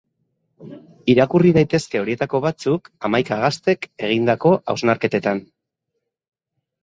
Irakurri daitezke horietako batzuk, hamaika gaztek egindako hausnarketetan.